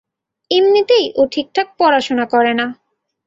এমনিতেই, ও ঠিকঠাক পড়াশোনা করে না।